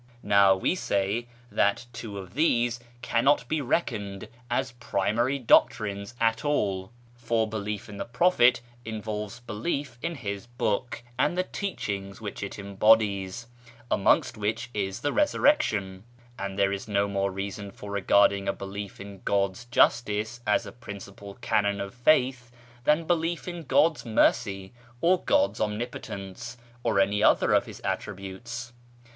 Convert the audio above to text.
Now we say that two of these cannot be reckoned as primary doctrines at all ; for belief in the Prophet involves belief in his book and the teachings which it embodies, amongst which is the Resurrection ; and there is no more reason for regarding a belief in God's justice as a principal canon of faith than belief in God's Mercy, or God's Omnipotence, or any other of His Attributes.